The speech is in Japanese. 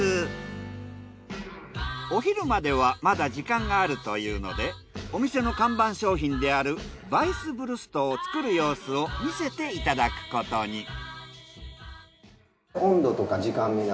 お昼まではまだ時間があるというのでお店の看板商品であるヴァイスブルストを作る様子を見せていただくことに。